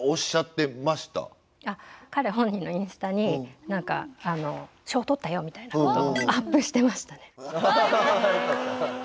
彼本人のインスタに何か賞を取ったよみたいなことをアップしてましたね。